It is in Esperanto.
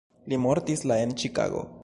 Li mortis la en Ĉikago.